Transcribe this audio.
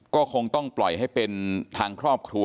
ก็คงต้องปล่อยให้เป็นทางครอบครัว